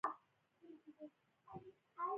تر سهاره پورې تلمه او راتلمه